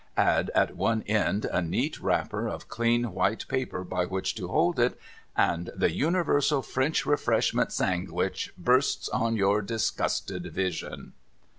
Add at one end a neat wrapper of clean white paper by which to hold it. And the universal French Refresh ment sangwich busts on your disgusted vision.'